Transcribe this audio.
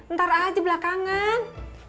ntar aja belakangan